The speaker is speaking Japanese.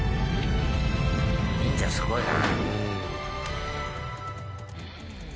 「忍者すごいな」